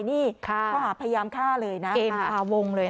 เพราะหาพยายามฆ่าเลยนะ